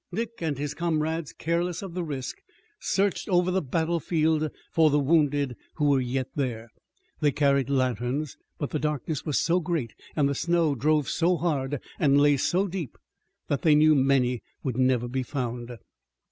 Dick and his comrades, careless of the risk, searched over the battlefield for the wounded who were yet there. They carried lanterns, but the darkness was so great and the snow drove so hard and lay so deep that they knew many would never be found.